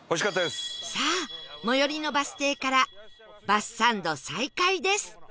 さあ最寄りのバス停からバスサンド再開です